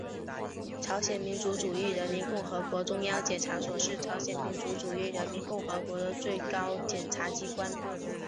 朝鲜民主主义人民共和国中央检察所是朝鲜民主主义人民共和国的最高检察机关。